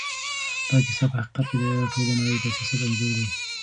دا کيسه په حقیقت کې د ټولې نړۍ د سياست انځور دی.